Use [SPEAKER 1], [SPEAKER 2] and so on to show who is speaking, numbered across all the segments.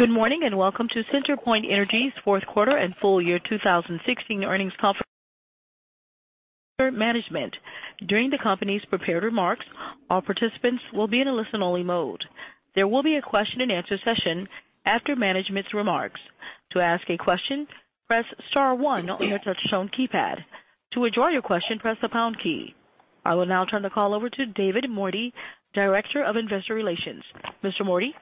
[SPEAKER 1] Good morning, and welcome to CenterPoint Energy's fourth quarter and full year 2016 earnings conference management. During the company's prepared remarks, all participants will be in a listen-only mode. There will be a question and answer session after management's remarks. To ask a question, press star one on your touch tone keypad. To withdraw your question, press the pound key. I will now turn the call over to David Mordy, Director of Investor Relations. Mr. Mordy?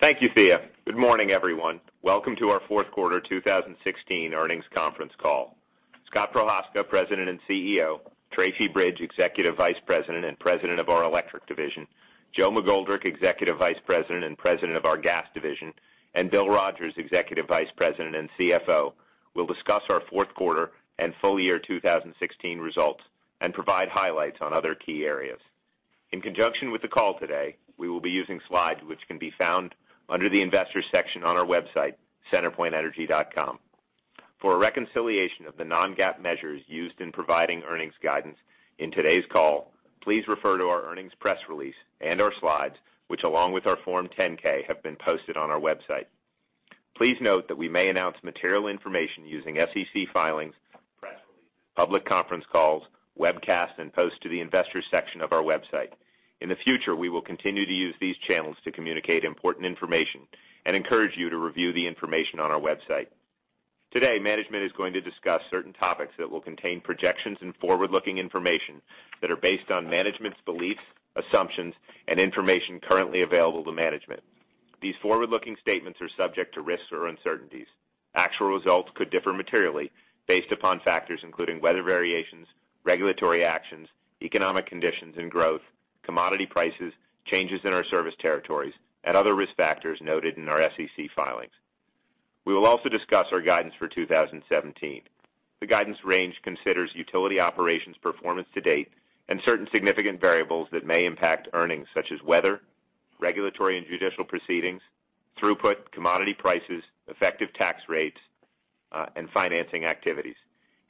[SPEAKER 2] Thank you, Thea. Good morning, everyone. Welcome to our fourth quarter 2016 earnings conference call. Scott Prochazka, President and CEO, Tracy Bridge, Executive Vice President and President of our Electric division, Joe McGoldrick, Executive Vice President and President of our Gas division, and Bill Rogers, Executive Vice President and CFO, will discuss our fourth quarter and full year 2016 results and provide highlights on other key areas. In conjunction with the call today, we will be using slides which can be found under the Investors section on our website, centerpointenergy.com. For a reconciliation of the non-GAAP measures used in providing earnings guidance in today's call, please refer to our earnings press release and our slides, which along with our Form 10-K, have been posted on our website. Please note that we may announce material information using SEC filings, press releases, public conference calls, webcasts, and posts to the Investors section of our website. In the future, we will continue to use these channels to communicate important information and encourage you to review the information on our website. Today, management is going to discuss certain topics that will contain projections and forward-looking information that are based on management's beliefs, assumptions, and information currently available to management. These forward-looking statements are subject to risks or uncertainties. Actual results could differ materially based upon factors including weather variations, regulatory actions, economic conditions and growth, commodity prices, changes in our service territories, and other risk factors noted in our SEC filings. We will also discuss our guidance for 2017. The guidance range considers utility operations performance to date and certain significant variables that may impact earnings, such as weather, regulatory and judicial proceedings, throughput, commodity prices, effective tax rates, and financing activities.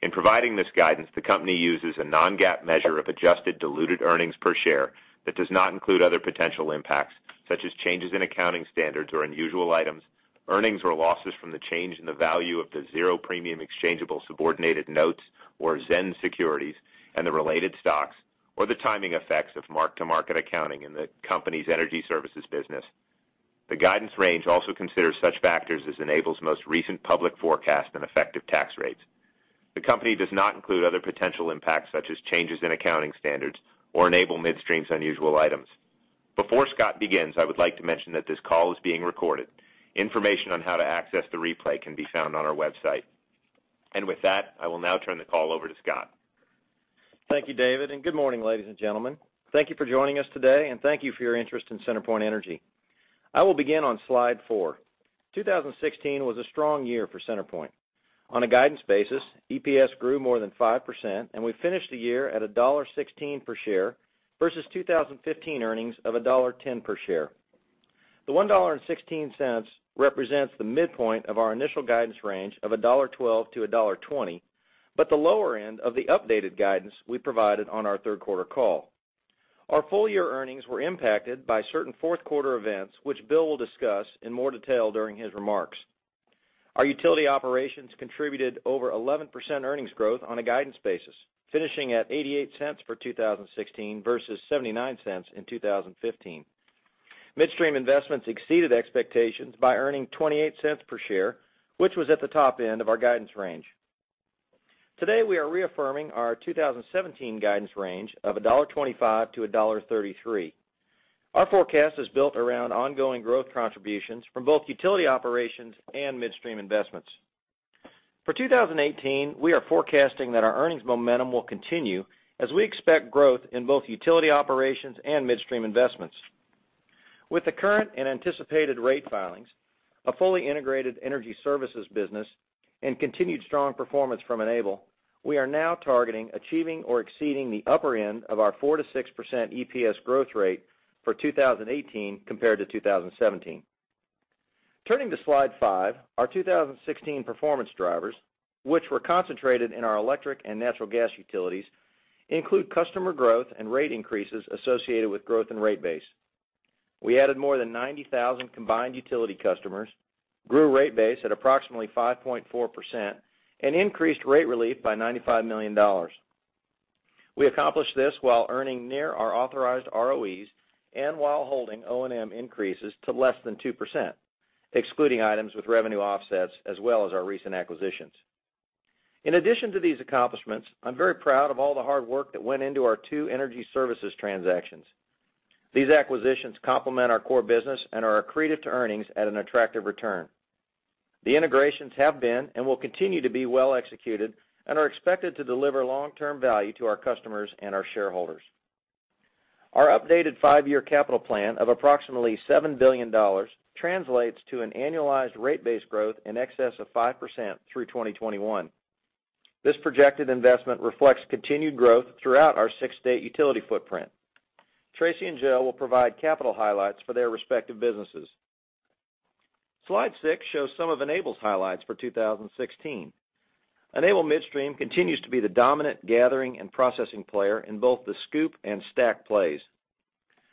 [SPEAKER 2] In providing this guidance, the company uses a non-GAAP measure of adjusted diluted earnings per share that does not include other potential impacts, such as changes in accounting standards or unusual items, earnings or losses from the change in the value of the zero-premium exchangeable subordinated notes or ZEN securities and the related stocks, or the timing effects of mark-to-market accounting in the company's energy services business. The guidance range also considers such factors as Enable's most recent public forecast and effective tax rates. The company does not include other potential impacts, such as changes in accounting standards or Enable Midstream's unusual items. Before Scott begins, I would like to mention that this call is being recorded. Information on how to access the replay can be found on our website. With that, I will now turn the call over to Scott.
[SPEAKER 3] Thank you, David, and good morning, ladies and gentlemen. Thank you for joining us today, and thank you for your interest in CenterPoint Energy. I will begin on slide four. 2016 was a strong year for CenterPoint. On a guidance basis, EPS grew more than 5%, and we finished the year at $1.16 per share versus 2015 earnings of $1.10 per share. The $1.16 represents the midpoint of our initial guidance range of $1.12-$1.20, but the lower end of the updated guidance we provided on our third quarter call. Our full-year earnings were impacted by certain fourth quarter events, which Bill will discuss in more detail during his remarks. Our utility operations contributed over 11% earnings growth on a guidance basis, finishing at $0.88 for 2016 versus $0.79 in 2015. Midstream investments exceeded expectations by earning $0.28 per share, which was at the top end of our guidance range. Today, we are reaffirming our 2017 guidance range of $1.25-$1.33. Our forecast is built around ongoing growth contributions from both utility operations and midstream investments. For 2018, we are forecasting that our earnings momentum will continue as we expect growth in both utility operations and midstream investments. With the current and anticipated rate filings, a fully integrated energy services business, and continued strong performance from Enable, we are now targeting achieving or exceeding the upper end of our 4%-6% EPS growth rate for 2018 compared to 2017. Turning to slide five, our 2016 performance drivers, which were concentrated in our electric and natural gas utilities, include customer growth and rate increases associated with growth and rate base. We added more than 90,000 combined utility customers, grew rate base at approximately 5.4%, and increased rate relief by $95 million. We accomplished this while earning near our authorized ROEs and while holding O&M increases to less than 2%, excluding items with revenue offsets, as well as our recent acquisitions. In addition to these accomplishments, I'm very proud of all the hard work that went into our two energy services transactions. These acquisitions complement our core business and are accretive to earnings at an attractive return. The integrations have been and will continue to be well-executed and are expected to deliver long-term value to our customers and our shareholders. Our updated five-year capital plan of approximately $7 billion translates to an annualized rate base growth in excess of 5% through 2021. Tracy and Joe will provide capital highlights for their respective businesses. Slide six shows some of Enable's highlights for 2016. Enable Midstream continues to be the dominant gathering and processing player in both the SCOOP and STACK plays.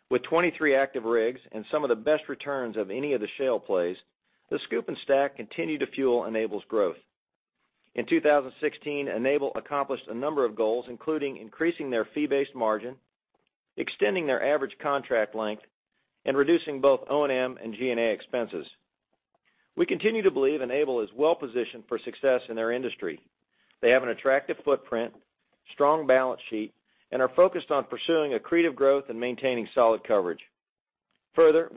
[SPEAKER 3] With 23 active rigs and some of the best returns of any of the shale plays, the SCOOP and STACK continue to fuel Enable's growth. In 2016, Enable accomplished a number of goals, including increasing their fee-based margin, extending their average contract length, and reducing both O&M and G&A expenses. We continue to believe Enable is well-positioned for success in their industry. They have an attractive footprint, strong balance sheet, and are focused on pursuing accretive growth and maintaining solid coverage.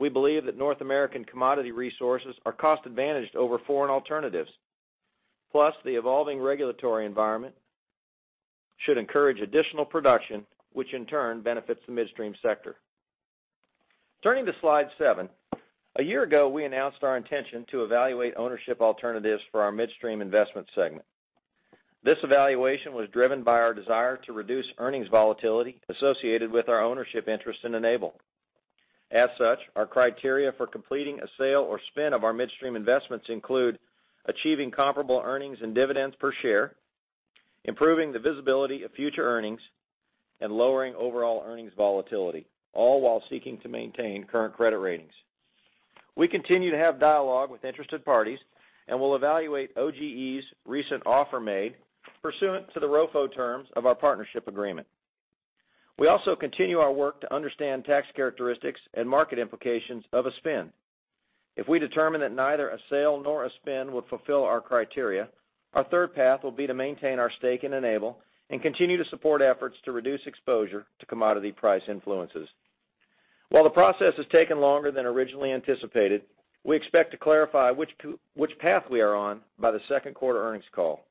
[SPEAKER 3] We believe that North American commodity resources are cost-advantaged over foreign alternatives. The evolving regulatory environment should encourage additional production, which in turn benefits the midstream sector. Turning to slide seven. A year ago, we announced our intention to evaluate ownership alternatives for our midstream investment segment. This evaluation was driven by our desire to reduce earnings volatility associated with our ownership interest in Enable. As such, our criteria for completing a sale or spin of our midstream investments include achieving comparable earnings and dividends per share, improving the visibility of future earnings, and lowering overall earnings volatility, all while seeking to maintain current credit ratings. We continue to have dialogue with interested parties, and will evaluate OG&E's recent offer made pursuant to the ROFO terms of our partnership agreement. We also continue our work to understand tax characteristics and market implications of a spin. If we determine that neither a sale nor a spin would fulfill our criteria, our third path will be to maintain our stake in Enable and continue to support efforts to reduce exposure to commodity price influences. While the process has taken longer than originally anticipated, we expect to clarify which path we are on by the second quarter earnings call.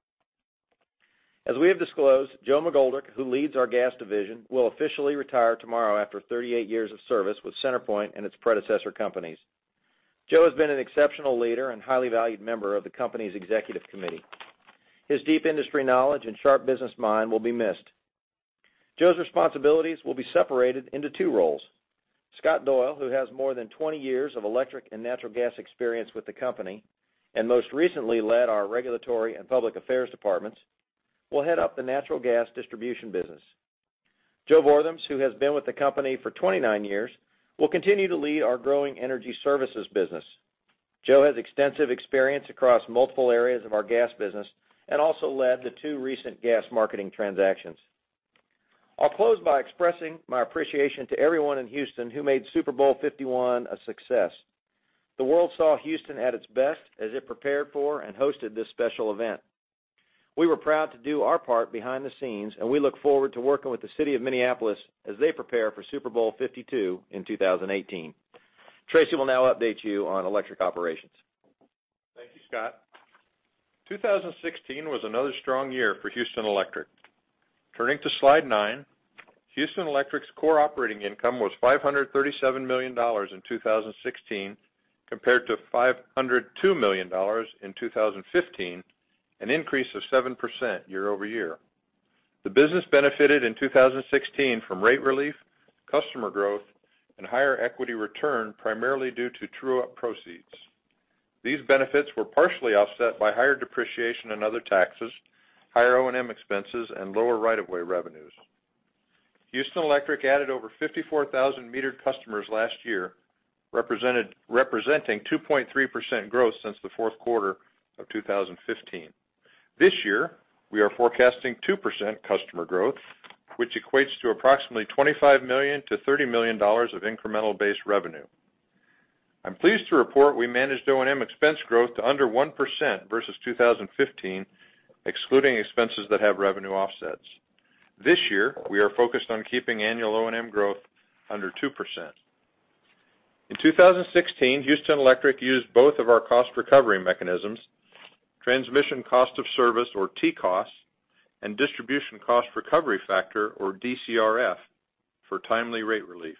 [SPEAKER 3] As we have disclosed, Joe McGoldrick, who leads our Gas division, will officially retire tomorrow after 38 years of service with CenterPoint and its predecessor companies. Joe has been an exceptional leader and highly valued member of the company's executive committee. His deep industry knowledge and sharp business mind will be missed. Joe's responsibilities will be separated into two roles. Scott Doyle, who has more than 20 years of electric and natural gas experience with the company, and most recently led our regulatory and public affairs departments, will head up the natural gas distribution business. Joe Vortherms, who has been with the company for 29 years, will continue to lead our growing energy services business. Joe has extensive experience across multiple areas of our gas business and also led the two recent gas marketing transactions. I'll close by expressing my appreciation to everyone in Houston who made Super Bowl LI a success. The world saw Houston at its best as it prepared for and hosted this special event. We were proud to do our part behind the scenes, and we look forward to working with the city of Minneapolis as they prepare for Super Bowl LII in 2018. Tracy will now update you on electric operations.
[SPEAKER 4] Thank you, Scott. 2016 was another strong year for CenterPoint Energy Houston Electric. Turning to slide nine. CenterPoint Energy Houston Electric's core operating income was $537 million in 2016, compared to $502 million in 2015, an increase of 7% year-over-year. The business benefited in 2016 from rate relief, customer growth, and higher equity return, primarily due to true-up proceeds. These benefits were partially offset by higher depreciation and other taxes, higher O&M expenses, and lower right-of-way revenues. CenterPoint Energy Houston Electric added over 54,000 metered customers last year, representing 2.3% growth since the fourth quarter of 2015. This year, we are forecasting 2% customer growth, which equates to approximately $25 million-$30 million of incremental base revenue. I'm pleased to report we managed O&M expense growth to under 1% versus 2015, excluding expenses that have revenue offsets. This year, we are focused on keeping annual O&M growth under 2%. In 2016, CenterPoint Energy Houston Electric used both of our cost recovery mechanisms, transmission cost of service or TCOS, and distribution cost recovery factor or DCRF, for timely rate relief.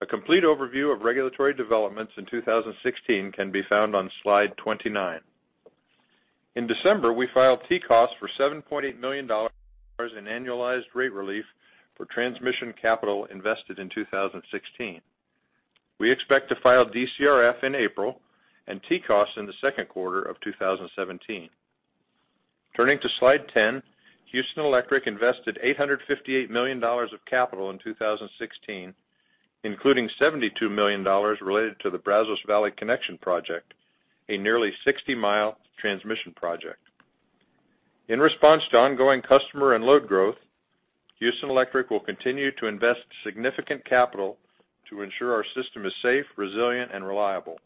[SPEAKER 4] A complete overview of regulatory developments in 2016 can be found on slide 29. In December, we filed TCOS for $7.8 million in annualized rate relief for transmission capital invested in 2016. We expect to file DCRF in April and TCOS in the second quarter of 2017. Turning to slide 10. CenterPoint Energy Houston Electric invested $858 million of capital in 2016, including $72 million related to the Brazos Valley Connection Project, a nearly 60-mile transmission project. In response to ongoing customer and load growth, CenterPoint Energy Houston Electric will continue to invest significant capital to ensure our system is safe, resilient, and reliable.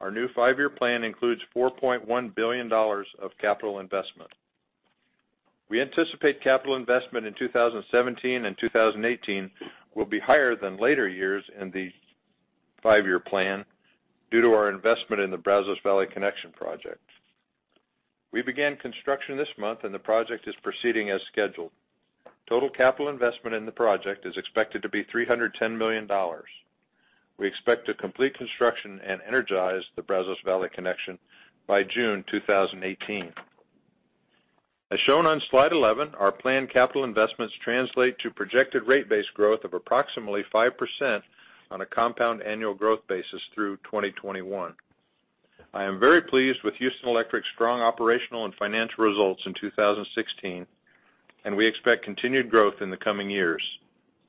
[SPEAKER 4] Our new five-year plan includes $4.1 billion of capital investment. We anticipate capital investment in 2017 and 2018 will be higher than later years in the five-year plan due to our investment in the Brazos Valley Connection Project. We began construction this month, and the project is proceeding as scheduled. Total capital investment in the project is expected to be $310 million. We expect to complete construction and energize the Brazos Valley Connection by June 2018. As shown on slide 11, our planned capital investments translate to projected rate base growth of approximately 5% on a compound annual growth basis through 2021. I am very pleased with CenterPoint Energy Houston Electric's strong operational and financial results in 2016, and we expect continued growth in the coming years.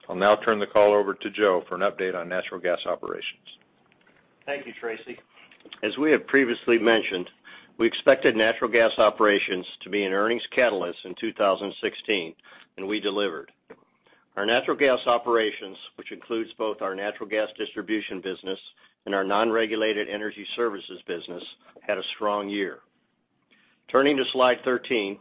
[SPEAKER 4] I'll now turn the call over to Joe for an update on natural gas operations.
[SPEAKER 5] Thank you, Tracy. As we have previously mentioned, we expected natural gas operations to be an earnings catalyst in 2016, and we delivered. Our natural gas operations, which includes both our natural gas distribution business and our non-regulated energy services business, had a strong year. Turning to slide 13,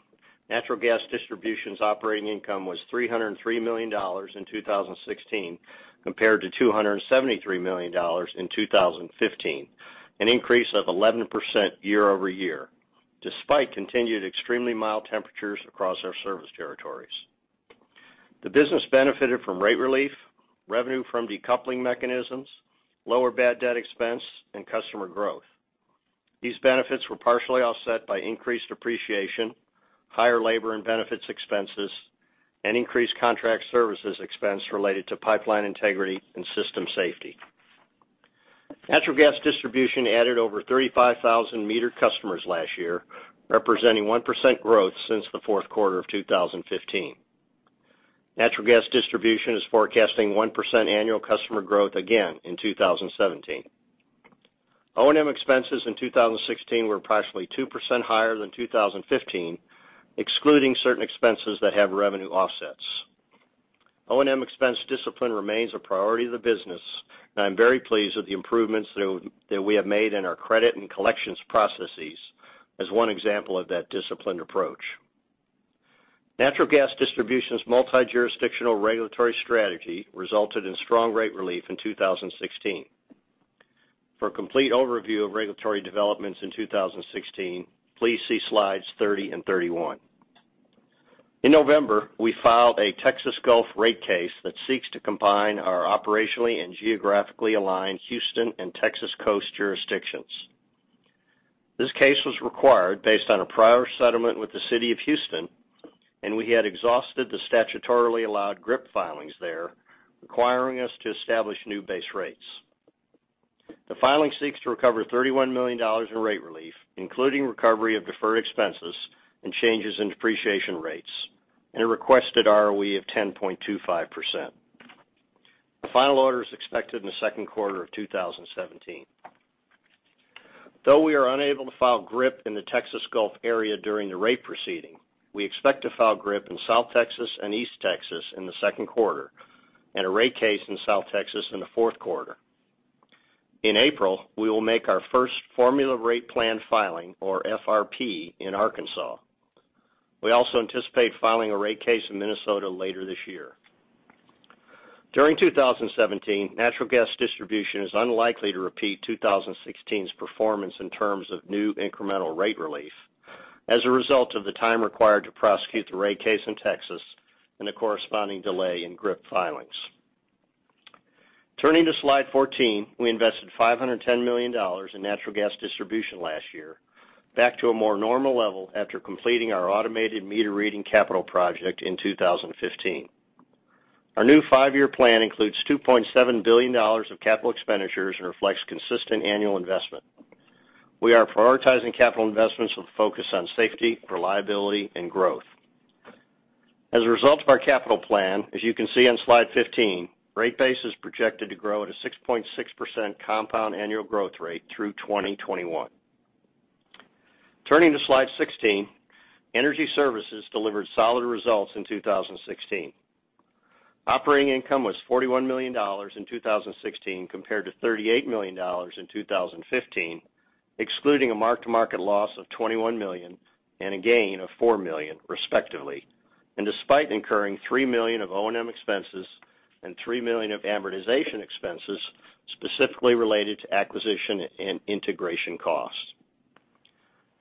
[SPEAKER 5] natural gas distribution's operating income was $303 million in 2016 compared to $273 million in 2015, an increase of 11% year-over-year, despite continued extremely mild temperatures across our service territories. The business benefited from rate relief, revenue from decoupling mechanisms, lower bad debt expense, and customer growth. These benefits were partially offset by increased depreciation, higher labor and benefits expenses, and increased contract services expense related to pipeline integrity and system safety. Natural gas distribution added over 35,000 metered customers last year, representing 1% growth since the fourth quarter of 2015. Natural gas distribution is forecasting 1% annual customer growth again in 2017. O&M expenses in 2016 were approximately 2% higher than 2015, excluding certain expenses that have revenue offsets. O&M expense discipline remains a priority of the business, and I'm very pleased with the improvements that we have made in our credit and collections processes as one example of that disciplined approach. Natural gas distribution's multi-jurisdictional regulatory strategy resulted in strong rate relief in 2016. For a complete overview of regulatory developments in 2016, please see slides 30 and 31. In November, we filed a Texas Gulf rate case that seeks to combine our operationally and geographically aligned Houston and Texas coast jurisdictions. This case was required based on a prior settlement with the City of Houston. We had exhausted the statutorily allowed GRIP filings there, requiring us to establish new base rates. The filing seeks to recover $31 million in rate relief, including recovery of deferred expenses and changes in depreciation rates. A requested ROE of 10.25%. The final order is expected in the second quarter of 2017. Though we are unable to file GRIP in the Texas Gulf area during the rate proceeding, we expect to file GRIP in South Texas and East Texas in the second quarter. A rate case in South Texas in the fourth quarter. In April, we will make our first formula rate plan filing, or FRP, in Arkansas. We also anticipate filing a rate case in Minnesota later this year. During 2017, natural gas distribution is unlikely to repeat 2016's performance in terms of new incremental rate relief as a result of the time required to prosecute the rate case in Texas and the corresponding delay in GRIP filings. Turning to slide 14, we invested $510 million in natural gas distribution last year, back to a more normal level after completing our automated meter reading capital project in 2015. Our new five-year plan includes $2.7 billion of capital expenditures and reflects consistent annual investment. We are prioritizing capital investments with a focus on safety, reliability, and growth. As a result of our capital plan, as you can see on slide 15, rate base is projected to grow at a 6.6% compound annual growth rate through 2021. Turning to slide 16, energy services delivered solid results in 2016. Operating income was $41 million in 2016, compared to $38 million in 2015, excluding a mark-to-market loss of $21 million and a gain of $4 million, respectively. Despite incurring $3 million of O&M expenses and $3 million of amortization expenses specifically related to acquisition and integration costs.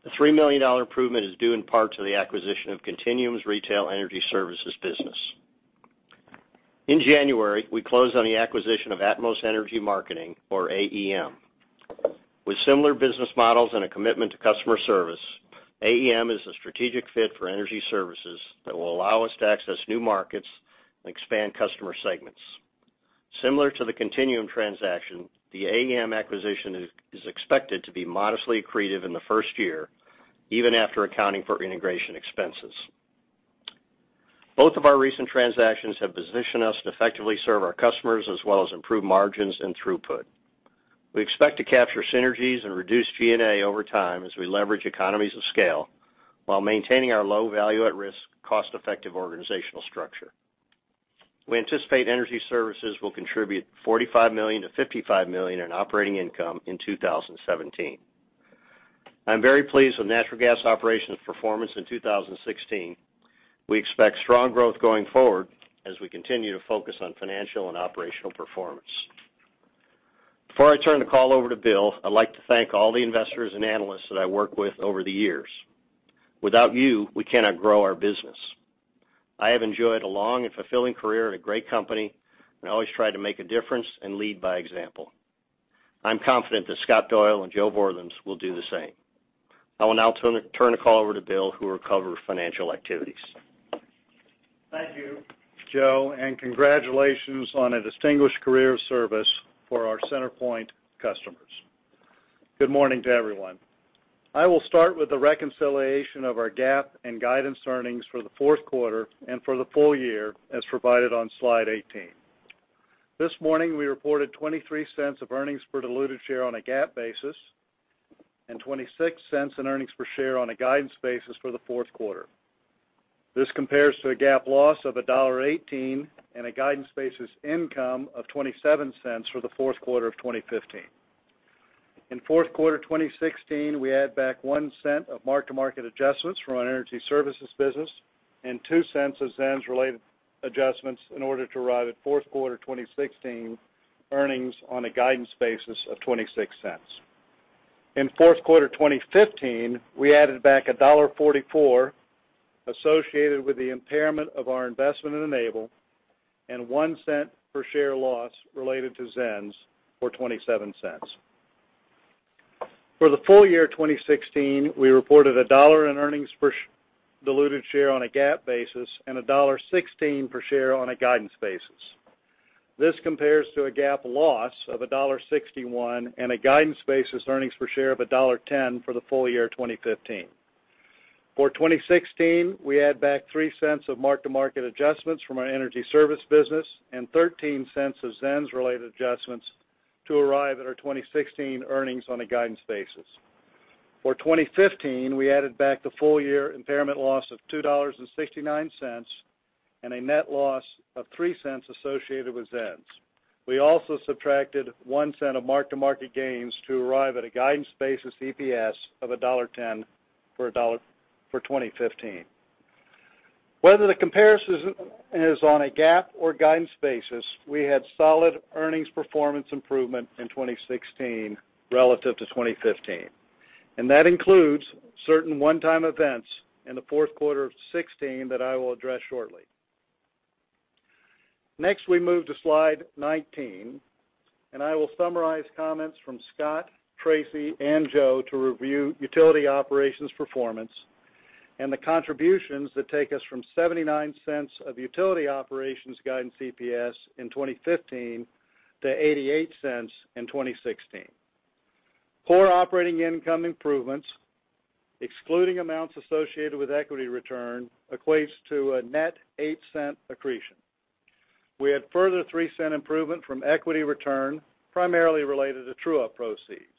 [SPEAKER 5] The $3 million improvement is due in part to the acquisition of Continuum's retail energy services business. In January, we closed on the acquisition of Atmos Energy Marketing, or AEM. With similar business models and a commitment to customer service, AEM is a strategic fit for energy services that will allow us to access new markets and expand customer segments. Similar to the Continuum transaction, the AEM acquisition is expected to be modestly accretive in the first year, even after accounting for integration expenses. Both of our recent transactions have positioned us to effectively serve our customers as well as improve margins and throughput. We expect to capture synergies and reduce G&A over time as we leverage economies of scale while maintaining our low value at risk, cost-effective organizational structure. We anticipate energy services will contribute $45 million-$55 million in operating income in 2017. I'm very pleased with natural gas operations performance in 2016. We expect strong growth going forward as we continue to focus on financial and operational performance. Before I turn the call over to Bill, I'd like to thank all the investors and analysts that I worked with over the years. Without you, we cannot grow our business. I have enjoyed a long and fulfilling career at a great company, and I always try to make a difference and lead by example. I'm confident that Scott Doyle and Joe Vortherms will do the same. I will now turn the call over to Bill, who will cover financial activities.
[SPEAKER 6] Thank you, Joe, Congratulations on a distinguished career of service for our CenterPoint customers. Good morning to everyone. I will start with the reconciliation of our GAAP and guidance earnings for the fourth quarter and for the full year as provided on slide 18. This morning, we reported $0.23 of earnings per diluted share on a GAAP basis, $0.26 in earnings per share on a guidance basis for the fourth quarter. This compares to a GAAP loss of $1.18 and a guidance basis income of $0.27 for the fourth quarter of 2015. In fourth quarter 2016, we add back $0.01 of mark-to-market adjustments from our energy services business and $0.02 of ZENS-related adjustments in order to arrive at fourth quarter 2016 earnings on a guidance basis of $0.26. In fourth quarter 2015, we added back $1.44 associated with the impairment of our investment in Enable and $0.01 per share loss related to ZENS for $0.27. For the full year 2016, we reported $1.00 in earnings per diluted share on a GAAP basis and $1.16 per share on a guidance basis. This compares to a GAAP loss of $1.61 and a guidance basis earnings per share of $1.10 for the full year 2015. For 2016, we add back $0.03 of mark-to-market adjustments from our energy service business and $0.13 of ZENS-related adjustments to arrive at our 2016 earnings on a guidance basis. For 2015, we added back the full-year impairment loss of $2.69 and a net loss of $0.03 associated with ZENS. We also subtracted $0.01 of mark-to-market gains to arrive at a guidance basis EPS of $1.10 for 2015. Whether the comparison is on a GAAP or guidance basis, we had solid earnings performance improvement in 2016 relative to 2015, that includes certain one-time events in the fourth quarter of 2016 that I will address shortly. Next, we move to slide 19, I will summarize comments from Scott, Tracy, and Joe to review utility operations performance and the contributions that take us from $0.79 of utility operations guidance EPS in 2015 to $0.88 in 2016. Core operating income improvements, excluding amounts associated with equity return, equates to a net $0.08 accretion. We had further $0.03 improvement from equity return, primarily related to true-up proceeds,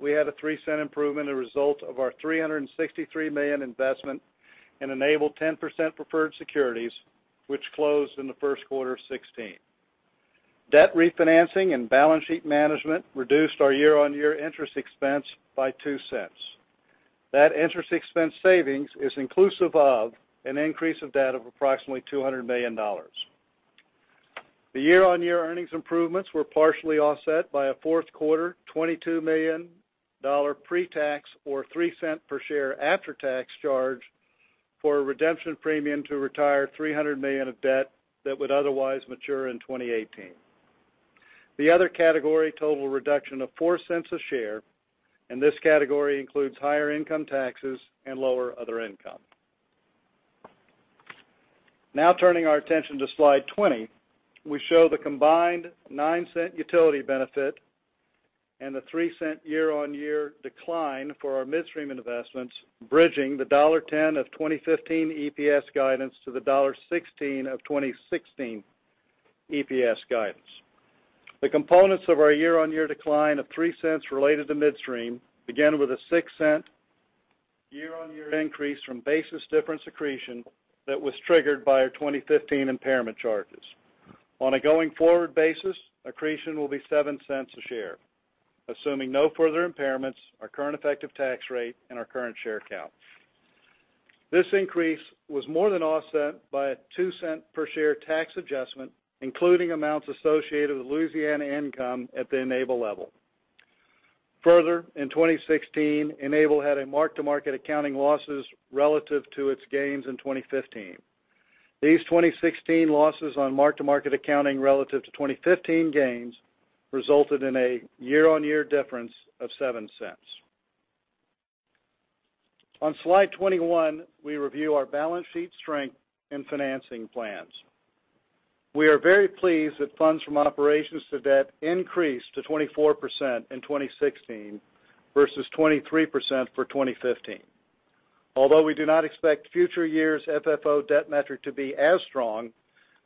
[SPEAKER 6] we had a $0.03 improvement a result of our $363 million investment in Enable 10% preferred securities, which closed in the first quarter of 2016. Debt refinancing and balance sheet management reduced our year-on-year interest expense by $0.02. That interest expense savings is inclusive of an increase of debt of approximately $200 million. The year-on-year earnings improvements were partially offset by a fourth quarter $22 million pre-tax or $0.03 per share after-tax charge for a redemption premium to retire $300 million of debt that would otherwise mature in 2018. The other category, total reduction of $0.04 a share, and this category includes higher income taxes and lower other income. Turning our attention to slide 20, we show the combined $0.09 utility benefit and the $0.03 year-on-year decline for our midstream investments, bridging the $1.10 of 2015 EPS guidance to the $1.16 of 2016 EPS guidance. The components of our year-on-year decline of $0.03 related to midstream began with a $0.06 year-on-year increase from basis difference accretion that was triggered by our 2015 impairment charges. On a going-forward basis, accretion will be $0.07 a share, assuming no further impairments, our current effective tax rate, and our current share count. This increase was more than offset by a $0.02 per share tax adjustment, including amounts associated with Louisiana income at the Enable level. Further, in 2016, Enable had mark-to-market accounting losses relative to its gains in 2015. These 2016 losses on mark-to-market accounting relative to 2015 gains resulted in a year-on-year difference of $0.07. On slide 21, we review our balance sheet strength and financing plans. We are very pleased that funds from operations to debt increased to 24% in 2016 versus 23% for 2015. Although we do not expect future year's FFO debt metric to be as strong,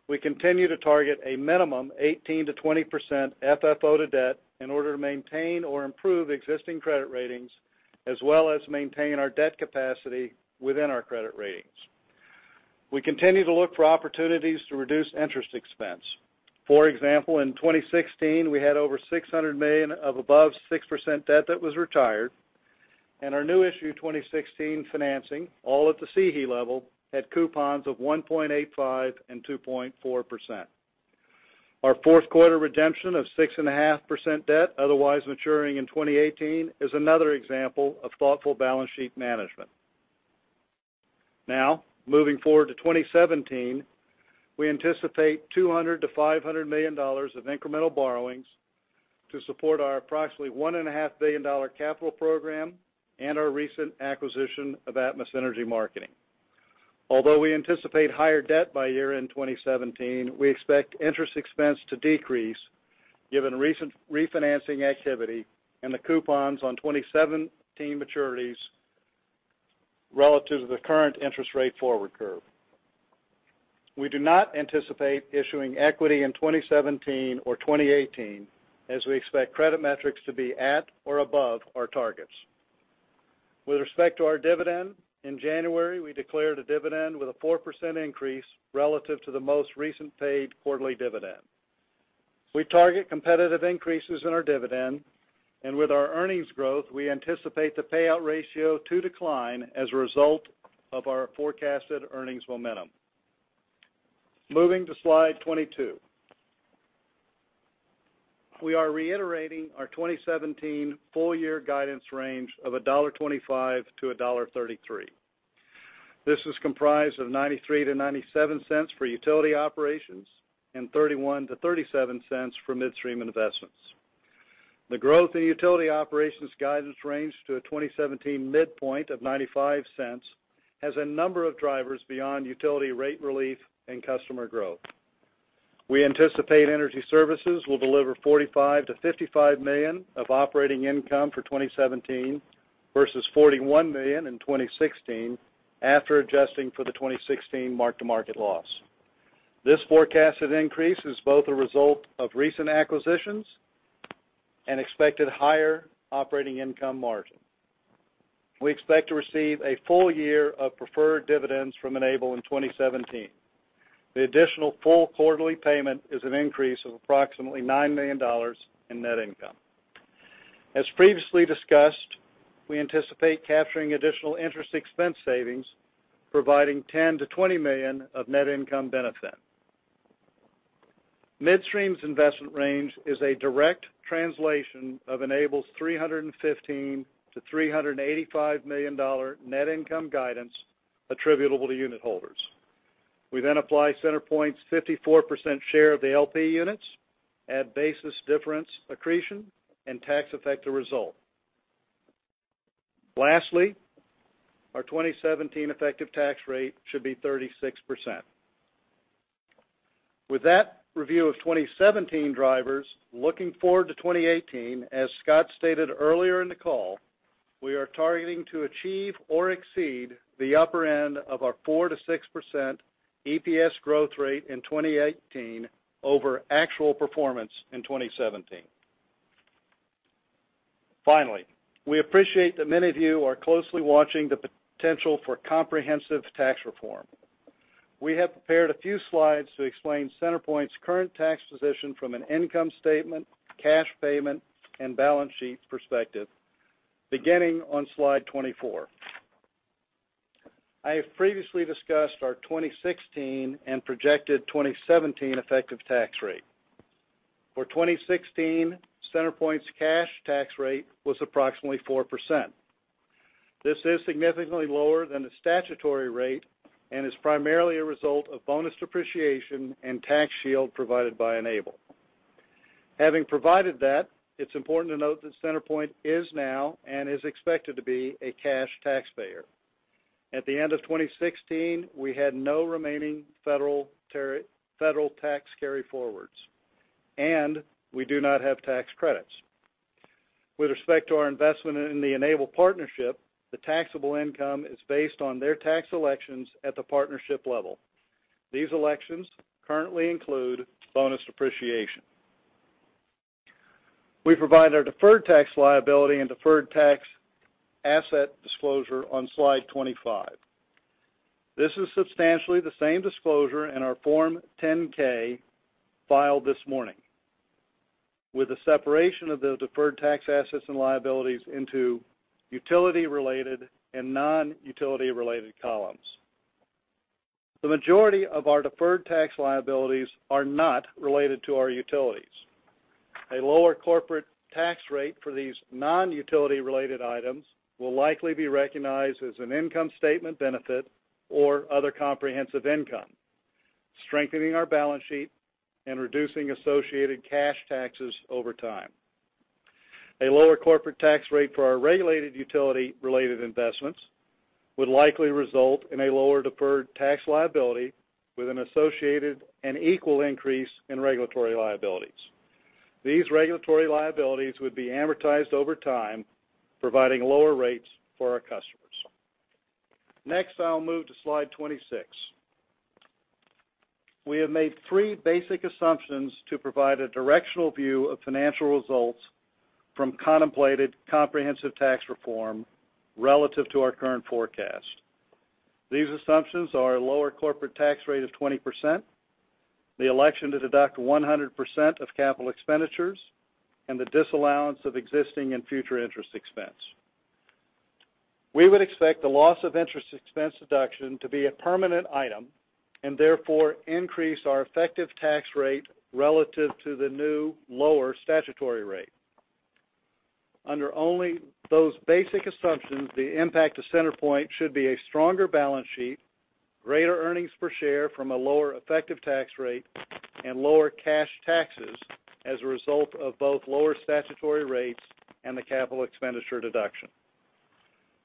[SPEAKER 6] we continue to target a minimum 18%-20% FFO to debt in order to maintain or improve existing credit ratings as well as maintain our debt capacity within our credit ratings. We continue to look for opportunities to reduce interest expense. For example, in 2016, we had over $600 million of above 6% debt that was retired, and our new issue 2016 financing, all at the CEHE level, had coupons of 1.85% and 2.4%. Our fourth quarter redemption of 6.5% debt, otherwise maturing in 2018, is another example of thoughtful balance sheet management. Moving forward to 2017, we anticipate $200 million-$500 million of incremental borrowings to support our approximately $1.5 billion capital program and our recent acquisition of Atmos Energy Marketing. Although we anticipate higher debt by year-end 2017, we expect interest expense to decrease given recent refinancing activity and the coupons on 2017 maturities relative to the current interest rate forward curve. We do not anticipate issuing equity in 2017 or 2018, as we expect credit metrics to be at or above our targets. With respect to our dividend, in January, we declared a dividend with a 4% increase relative to the most recent paid quarterly dividend. We target competitive increases in our dividend, and with our earnings growth, we anticipate the payout ratio to decline as a result of our forecasted earnings momentum. Moving to slide 22. We are reiterating our 2017 full year guidance range of $1.25-$1.33. This is comprised of $0.93-$0.97 for utility operations and $0.31-$0.37 for midstream investments. The growth in utility operations guidance range to a 2017 midpoint of $0.95 has a number of drivers beyond utility rate relief and customer growth. We anticipate energy services will deliver $45 million-$55 million of operating income for 2017 versus $41 million in 2016, after adjusting for the 2016 mark-to-market loss. This forecasted increase is both a result of recent acquisitions and expected higher operating income margin. We expect to receive a full year of preferred dividends from Enable in 2017. The additional full quarterly payment is an increase of approximately $9 million in net income. As previously discussed, we anticipate capturing additional interest expense savings, providing $10 million-$20 million of net income benefit. Midstream's investment range is a direct translation of Enable's $315 million-$385 million net income guidance attributable to unit holders. We then apply CenterPoint's 54% share of the LP units, add basis difference accretion, and tax effect the result. Lastly, our 2017 effective tax rate should be 36%. With that review of 2017 drivers, looking forward to 2018, as Scott stated earlier in the call, we are targeting to achieve or exceed the upper end of our 4%-6% EPS growth rate in 2018 over actual performance in 2017. Finally, we appreciate that many of you are closely watching the potential for comprehensive tax reform. We have prepared a few slides to explain CenterPoint's current tax position from an income statement, cash payment, and balance sheet perspective. Beginning on slide 24. I have previously discussed our 2016 and projected 2017 effective tax rate. For 2016, CenterPoint's cash tax rate was approximately 4%. This is significantly lower than the statutory rate and is primarily a result of bonus depreciation and tax shield provided by Enable. Having provided that, it's important to note that CenterPoint is now and is expected to be a cash taxpayer. At the end of 2016, we had no remaining federal tax carryforwards, and we do not have tax credits. With respect to our investment in the Enable partnership, the taxable income is based on their tax elections at the partnership level. These elections currently include bonus depreciation. We provide our deferred tax liability and deferred tax asset disclosure on slide 25. This is substantially the same disclosure in our Form 10-K filed this morning, with a separation of the deferred tax assets and liabilities into utility-related and non-utility-related columns. The majority of our deferred tax liabilities are not related to our utilities. A lower corporate tax rate for these non-utility related items will likely be recognized as an income statement benefit or other comprehensive income, strengthening our balance sheet and reducing associated cash taxes over time. A lower corporate tax rate for our regulated utility related investments would likely result in a lower deferred tax liability with an associated and equal increase in regulatory liabilities. These regulatory liabilities would be amortized over time, providing lower rates for our customers. Next, I will move to slide 26. We have made three basic assumptions to provide a directional view of financial results from contemplated comprehensive tax reform relative to our current forecast. These assumptions are a lower corporate tax rate of 20%, the election to deduct 100% of capital expenditures, and the disallowance of existing and future interest expense. We would expect the loss of interest expense deduction to be a permanent item, and therefore increase our effective tax rate relative to the new, lower statutory rate. Under only those basic assumptions, the impact to CenterPoint should be a stronger balance sheet, greater earnings per share from a lower effective tax rate, and lower cash taxes as a result of both lower statutory rates and the capital expenditure deduction.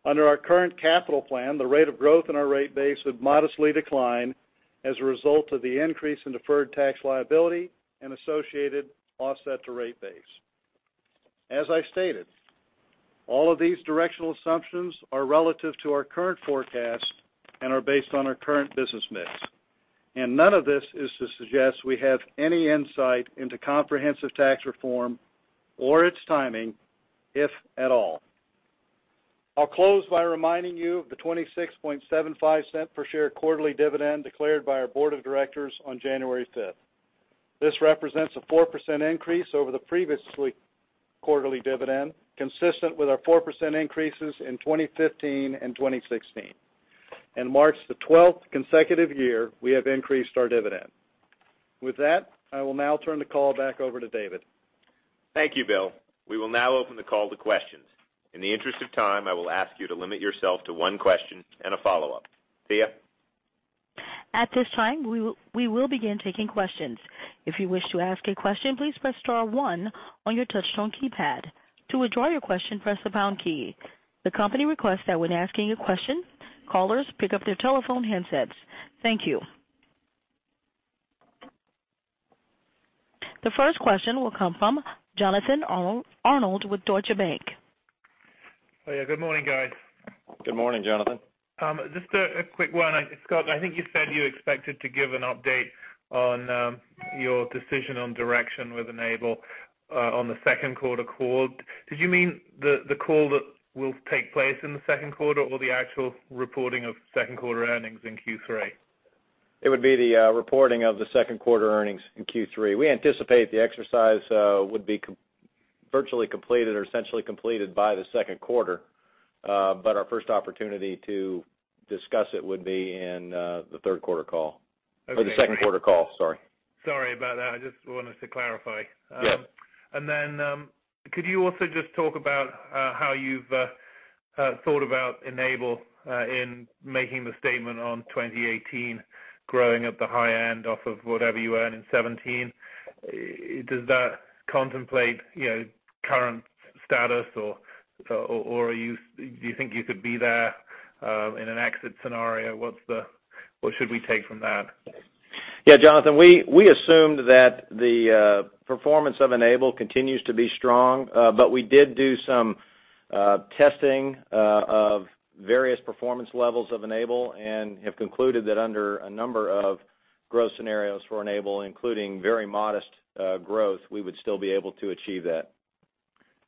[SPEAKER 6] Under our current capital plan, the rate of growth in our rate base would modestly decline as a result of the increase in deferred tax liability and associated offset to rate base. As I stated, all of these directional assumptions are relative to our current forecast and are based on our current business mix. None of this is to suggest we have any insight into comprehensive tax reform or its timing, if at all. I'll close by reminding you of the $0.2675 per share quarterly dividend declared by our board of directors on January 5th. This represents a 4% increase over the previous quarterly dividend, consistent with our 4% increases in 2015 and 2016, and marks the 12th consecutive year we have increased our dividend. With that, I will now turn the call back over to David.
[SPEAKER 3] Thank you, Bill. We will now open the call to questions. In the interest of time, I will ask you to limit yourself to one question and a follow-up. Thea?
[SPEAKER 1] At this time, we will begin taking questions. If you wish to ask a question, please press star one on your touchtone keypad. To withdraw your question, press the pound key. The company requests that when asking a question, callers pick up their telephone handsets. Thank you. The first question will come from Jonathan Arnold with Deutsche Bank.
[SPEAKER 7] Hey. Good morning, guys.
[SPEAKER 3] Good morning, Jonathan.
[SPEAKER 7] Just a quick one. Scott, I think you said you expected to give an update on your decision on direction with Enable on the second quarter call. Did you mean the call that will take place in the second quarter or the actual reporting of second quarter earnings in Q3?
[SPEAKER 3] It would be the reporting of the second quarter earnings in Q3. We anticipate the exercise would be virtually completed or essentially completed by the second quarter. Our first opportunity to discuss it would be in the third quarter call.
[SPEAKER 7] Okay.
[SPEAKER 3] the second quarter call, sorry.
[SPEAKER 7] Sorry about that. I just wanted to clarify.
[SPEAKER 3] Yeah.
[SPEAKER 7] Then, could you also just talk about how you've thought about Enable in making the statement on 2018 growing at the high end off of whatever you earn in 2017? Does that contemplate current status, or do you think you could be there in an exit scenario? What should we take from that?
[SPEAKER 3] Yeah, Jonathan, we assumed that the performance of Enable continues to be strong. We did do some testing of various performance levels of Enable and have concluded that under a number of growth scenarios for Enable, including very modest growth, we would still be able to achieve that.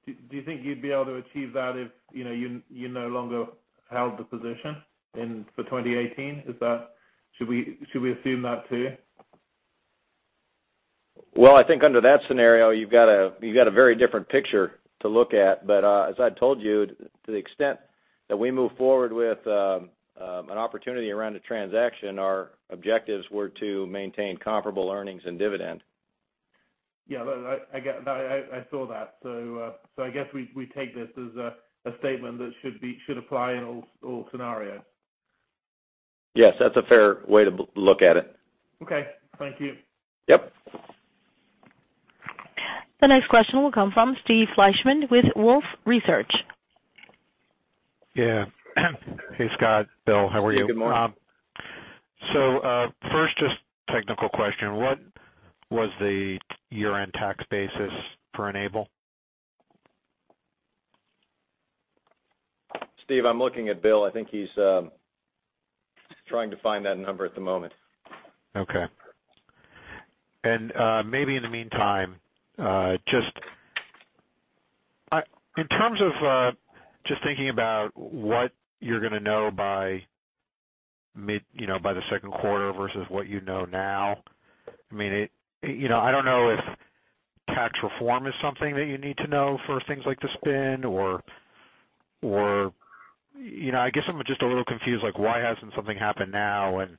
[SPEAKER 7] Do you think you'd be able to achieve that if you no longer held the position for 2018? Should we assume that, too?
[SPEAKER 3] Well, I think under that scenario, you've got a very different picture to look at. As I told you, to the extent that we move forward with an opportunity around a transaction, our objectives were to maintain comparable earnings and dividend.
[SPEAKER 7] Yeah. I saw that. I guess we take this as a statement that should apply in all scenarios.
[SPEAKER 3] Yes, that's a fair way to look at it.
[SPEAKER 7] Okay. Thank you.
[SPEAKER 3] Yep.
[SPEAKER 1] The next question will come from Steve Fleishman with Wolfe Research.
[SPEAKER 8] Yeah. Hey, Scott, Bill. How are you?
[SPEAKER 3] Steve, good morning.
[SPEAKER 8] First, just a technical question. What was the year-end tax basis for Enable?
[SPEAKER 3] Steve, I'm looking at Bill. I think he's trying to find that number at the moment.
[SPEAKER 8] Okay. Maybe in the meantime, just in terms of just thinking about what you're going to know by the second quarter versus what you know now, I don't know if tax reform is something that you need to know for things like the spin or I guess I'm just a little confused, why hasn't something happened now, and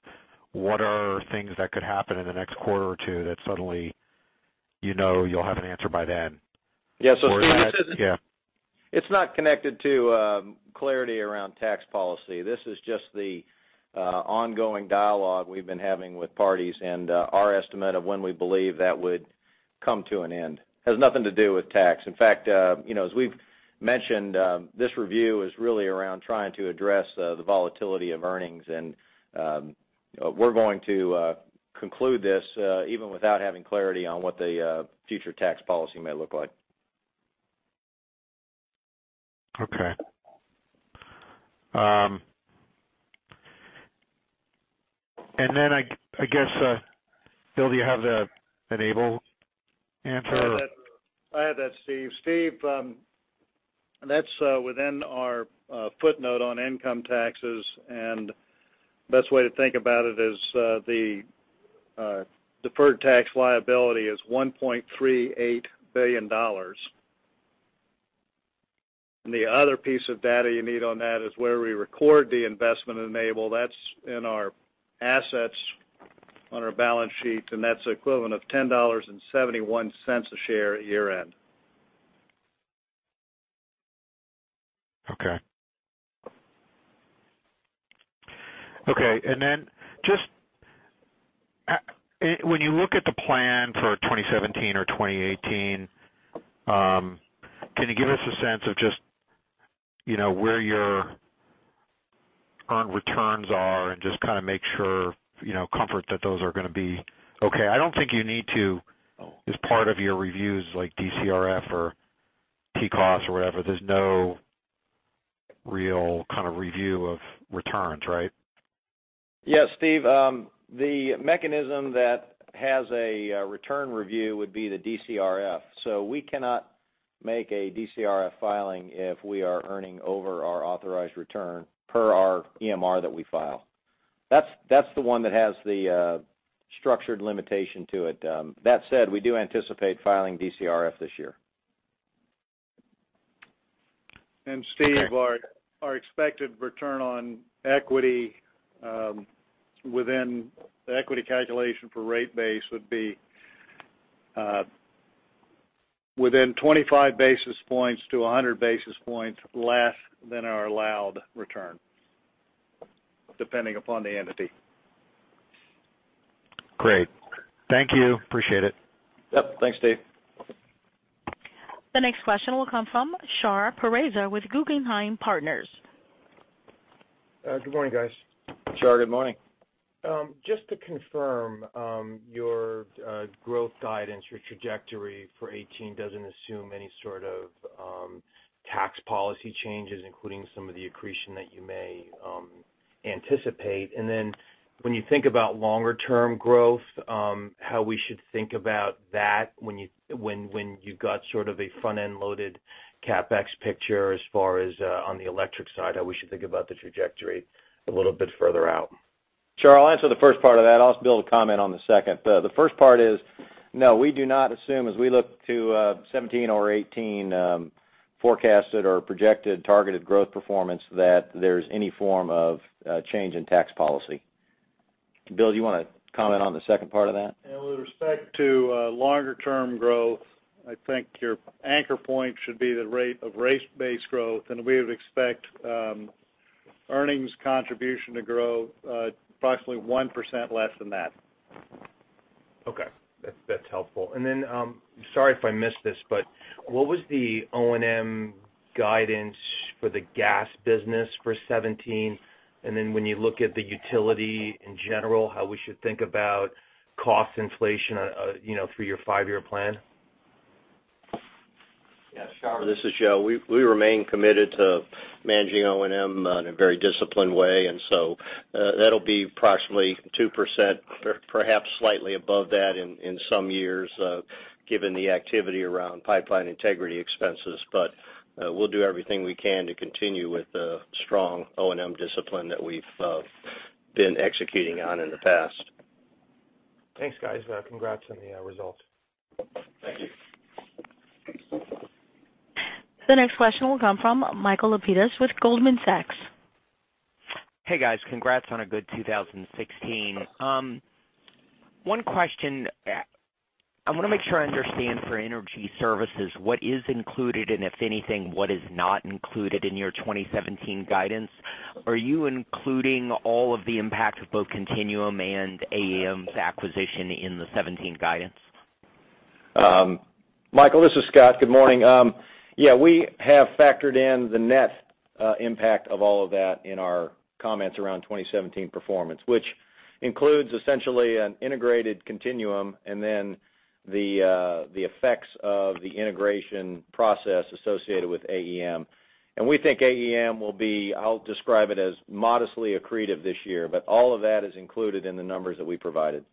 [SPEAKER 8] what are things that could happen in the next quarter or two that suddenly you know you'll have an answer by then?
[SPEAKER 3] Yeah, Steve
[SPEAKER 8] Yeah.
[SPEAKER 3] It's not connected to clarity around tax policy. This is just the ongoing dialogue we've been having with parties and our estimate of when we believe that would come to an end. Has nothing to do with tax. In fact, as we've mentioned, this review is really around trying to address the volatility of earnings, and we're going to conclude this even without having clarity on what the future tax policy may look like.
[SPEAKER 8] Okay. I guess, Bill, do you have the Enable answer?
[SPEAKER 6] I have that, Steve. Steve, that's within our footnote on income taxes, best way to think about it is the Deferred tax liability is $1.38 billion. The other piece of data you need on that is where we record the investment Enable. That's in our assets on our balance sheet, and that's equivalent of $10.71 a share at year-end.
[SPEAKER 8] Okay. Then just when you look at the plan for 2017 or 2018, can you give us a sense of just where your earned returns are and just kind of make sure, comfort that those are going to be okay? I don't think you need to, as part of your reviews, like DCRF or TCOS or whatever, there's no real kind of review of returns, right?
[SPEAKER 3] Yes, Steve. The mechanism that has a return review would be the DCRF. We cannot make a DCRF filing if we are earning over our authorized return per our EMR that we file. That's the one that has the structured limitation to it. That said, we do anticipate filing DCRF this year.
[SPEAKER 6] Steve, our expected return on equity within the equity calculation for rate base would be within 25 basis points to 100 basis points less than our allowed return, depending upon the entity.
[SPEAKER 8] Great. Thank you. Appreciate it.
[SPEAKER 3] Yep. Thanks, Steve.
[SPEAKER 1] The next question will come from Shahriar Pourreza with Guggenheim Partners.
[SPEAKER 9] Good morning, guys.
[SPEAKER 3] Shar, good morning.
[SPEAKER 9] Just to confirm your growth guidance, your trajectory for 2018 doesn't assume any sort of tax policy changes, including some of the accretion that you may anticipate. Then when you think about longer-term growth, how we should think about that when you got sort of a front-end loaded CapEx picture as far as on the electric side, how we should think about the trajectory a little bit further out.
[SPEAKER 3] Shar, I'll answer the first part of that. I'll ask Bill to comment on the second. The first part is, no, we do not assume as we look to 2017 or 2018 forecasted or projected targeted growth performance that there's any form of change in tax policy. Bill, do you want to comment on the second part of that?
[SPEAKER 6] With respect to longer-term growth, I think your anchor point should be the rate of rate base growth, and we would expect earnings contribution to grow approximately 1% less than that.
[SPEAKER 9] Okay. That's helpful. Then, sorry if I missed this, but what was the O&M guidance for the gas business for 2017? Then when you look at the utility in general, how we should think about cost inflation through your five-year plan?
[SPEAKER 5] Shar, this is Joe. We remain committed to managing O&M in a very disciplined way, and so that'll be approximately 2%, perhaps slightly above that in some years given the activity around pipeline integrity expenses. We'll do everything we can to continue with the strong O&M discipline that we've been executing on in the past.
[SPEAKER 9] Thanks, guys. Congrats on the results.
[SPEAKER 3] Thank you.
[SPEAKER 1] The next question will come from Michael Lapides with Goldman Sachs.
[SPEAKER 10] Hey, guys. Congrats on a good 2016. One question. I want to make sure I understand for energy services, what is included, and if anything, what is not included in your 2017 guidance. Are you including all of the impact of both Continuum Energy and AEM's acquisition in the 2017 guidance?
[SPEAKER 3] Michael, this is Scott. Good morning. Yeah, we have factored in the net impact of all of that in our comments around 2017 performance, which includes essentially an integrated Continuum Energy and then the effects of the integration process associated with AEM. We think AEM will be, I'll describe it as modestly accretive this year. All of that is included in the numbers that we provided.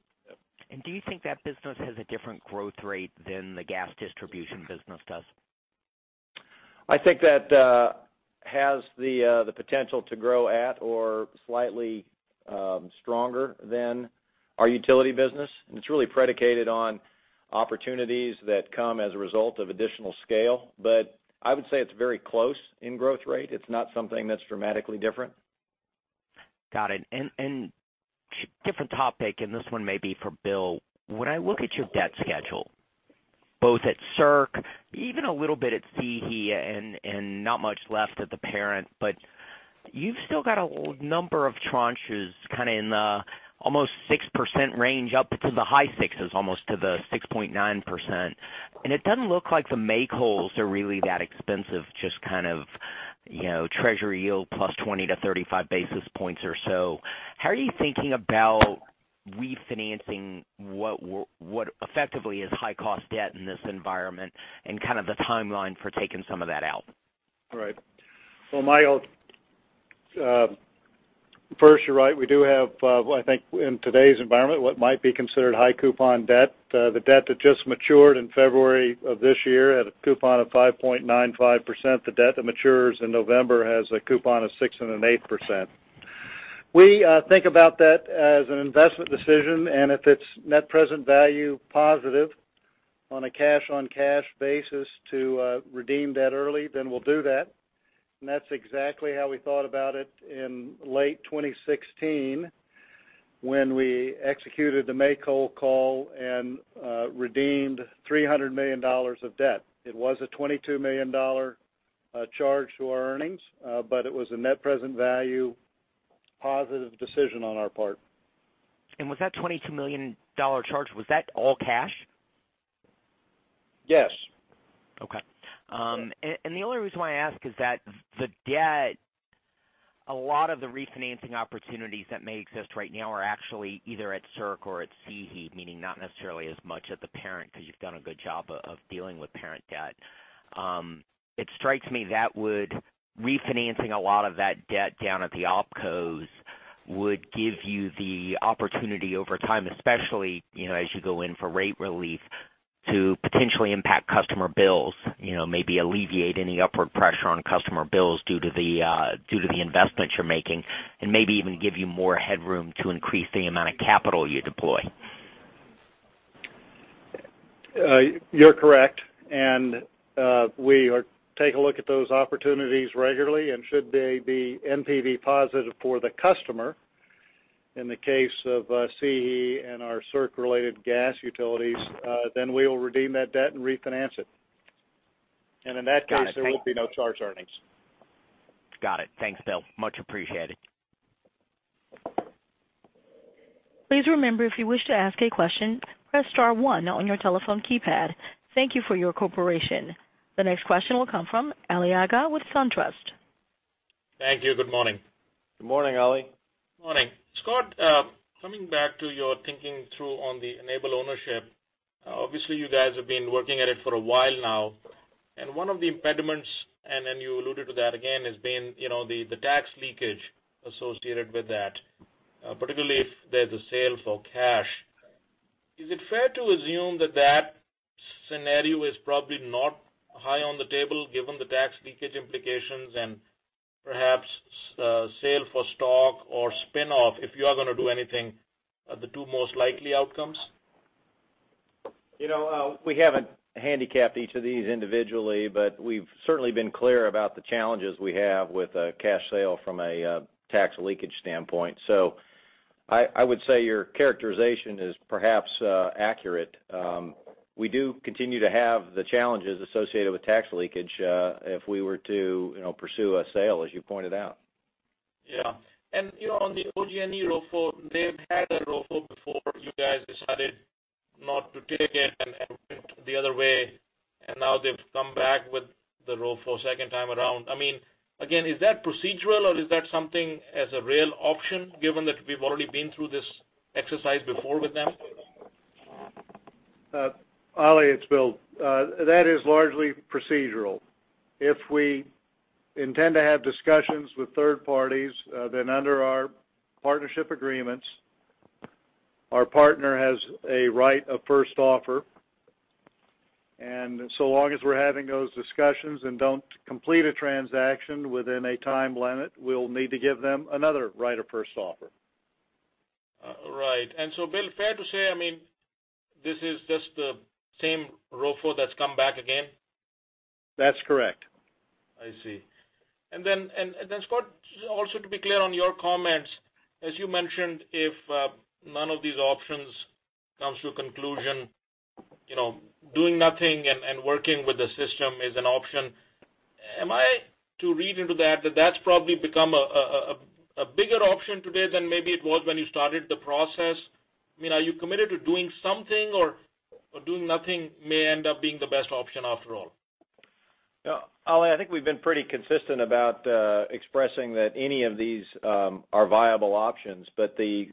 [SPEAKER 10] Do you think that business has a different growth rate than the gas distribution business does?
[SPEAKER 3] I think that has the potential to grow at or slightly stronger than our utility business. It's really predicated on opportunities that come as a result of additional scale. I would say it's very close in growth rate. It's not something that's dramatically different.
[SPEAKER 10] Got it. Different topic, this one may be for Bill. When I look at your debt schedule, both at CERC, even a little bit at CEHE, not much left at the parent, but you've still got a number of tranches kind of in the almost 6% range up to the high sixes, almost to the 6.9%. It doesn't look like the make-wholes are really that expensive, just kind of treasury yield plus 20 to 35 basis points or so. How are you thinking about refinancing what effectively is high-cost debt in this environment and kind of the timeline for taking some of that out?
[SPEAKER 6] Right. Well, Michael, first, you're right. We do have, I think, in today's environment, what might be considered high coupon debt. The debt that just matured in February of this year at a coupon of 5.95%. The debt that matures in November has a coupon of 6.8%. We think about that as an investment decision, if it's net present value positive on a cash-on-cash basis to redeem debt early, then we'll do that. That's exactly how we thought about it in late 2016 when we executed the make-whole call and redeemed $300 million of debt. It was a $22 million charge to our earnings, but it was a net present value positive decision on our part.
[SPEAKER 10] Was that $22 million charge, was that all cash?
[SPEAKER 6] Yes.
[SPEAKER 10] Okay. The only reason why I ask is that the debt, a lot of the refinancing opportunities that may exist right now are actually either at CERC or at CEHE, meaning not necessarily as much at the parent, because you've done a good job of dealing with parent debt. It strikes me refinancing a lot of that debt down at the OpCos would give you the opportunity over time, especially as you go in for rate relief, to potentially impact customer bills. Maybe alleviate any upward pressure on customer bills due to the investments you're making, maybe even give you more headroom to increase the amount of capital you deploy.
[SPEAKER 6] You're correct. We take a look at those opportunities regularly, and should they be NPV positive for the customer in the case of CEHE and our CERC-related gas utilities, then we'll redeem that debt and refinance it. In that case, there will be no charge earnings.
[SPEAKER 10] Got it. Thanks, Bill. Much appreciated.
[SPEAKER 1] Please remember, if you wish to ask a question, press star one on your telephone keypad. Thank you for your cooperation. The next question will come from Ali Agha with SunTrust.
[SPEAKER 11] Thank you. Good morning.
[SPEAKER 6] Good morning, Ali.
[SPEAKER 3] Morning. Scott, coming back to your thinking through on the Enable ownership. Obviously, you guys have been working at it for a while now. One of the impediments, you alluded to that again, has been the tax leakage associated with that, particularly if there's a sale for cash. Is it fair to assume that scenario is probably not high on the table given the tax leakage implications and perhaps sale for stock or spin-off if you are going to do anything, are the two most likely outcomes? We haven't handicapped each of these individually, we've certainly been clear about the challenges we have with a cash sale from a tax leakage standpoint. I would say your characterization is perhaps accurate. We do continue to have the challenges associated with tax leakage if we were to pursue a sale, as you pointed out.
[SPEAKER 11] Yeah. On the OG&E ROFO, they've had a ROFO before you guys decided not to take it went the other way, now they've come back with the ROFO second time around. Again, is that procedural or is that something as a real option given that we've already been through this exercise before with them?
[SPEAKER 6] Ali, it's Bill. That is largely procedural. If we intend to have discussions with third parties, then under our partnership agreements, our partner has a right of first offer, and so long as we're having those discussions and don't complete a transaction within a time limit, we'll need to give them another right of first offer.
[SPEAKER 11] Right. Bill, fair to say, this is just the same ROFO that's come back again?
[SPEAKER 6] That's correct.
[SPEAKER 11] I see. Scott, also to be clear on your comments, as you mentioned, if none of these options comes to a conclusion, doing nothing and working with the system is an option. Am I to read into that's probably become a bigger option today than maybe it was when you started the process? Are you committed to doing something or doing nothing may end up being the best option after all?
[SPEAKER 3] Ali, I think we've been pretty consistent about expressing that any of these are viable options, but the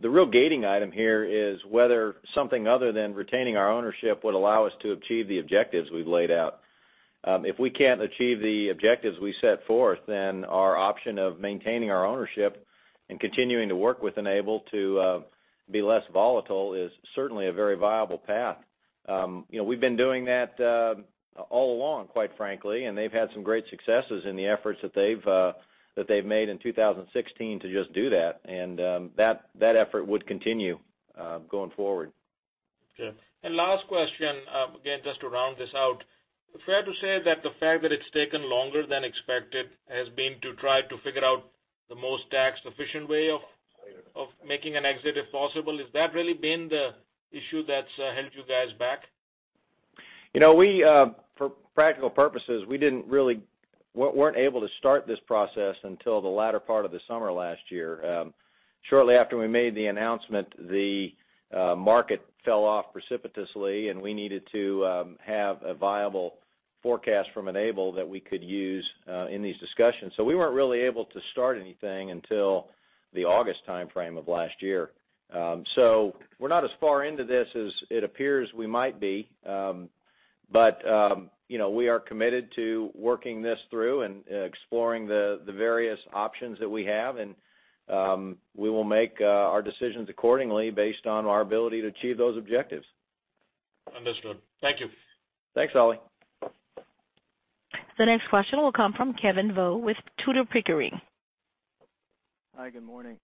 [SPEAKER 3] real gating item here is whether something other than retaining our ownership would allow us to achieve the objectives we've laid out. If we can't achieve the objectives we set forth, then our option of maintaining our ownership and continuing to work with Enable to be less volatile is certainly a very viable path. We've been doing that all along, quite frankly, and they've had some great successes in the efforts that they've made in 2016 to just do that, and that effort would continue going forward.
[SPEAKER 11] Okay. Last question, again, just to round this out. Fair to say that the fact that it's taken longer than expected has been to try to figure out the most tax-efficient way of making an exit if possible. Has that really been the issue that's held you guys back?
[SPEAKER 3] For practical purposes, we weren't able to start this process until the latter part of the summer last year. Shortly after we made the announcement, the market fell off precipitously, and we needed to have a viable forecast from Enable that we could use in these discussions. We weren't really able to start anything until the August timeframe of last year. We're not as far into this as it appears we might be. We are committed to working this through and exploring the various options that we have, and we will make our decisions accordingly based on our ability to achieve those objectives.
[SPEAKER 11] Understood. Thank you.
[SPEAKER 3] Thanks, Ali.
[SPEAKER 1] The next question will come from Kevin Vo with Tudor, Pickering.
[SPEAKER 12] Hi, good morning.